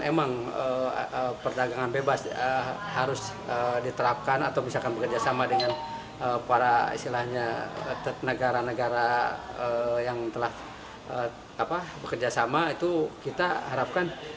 emang perdagangan bebas harus diterapkan atau misalkan bekerjasama dengan para istilahnya negara negara yang telah bekerjasama itu kita harapkan